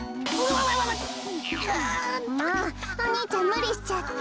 もうお兄ちゃんむりしちゃって。